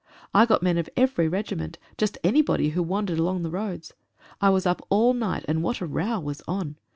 I got men of every regiment — just anybody who wandered along the roads. I was up all night, and what a row was on.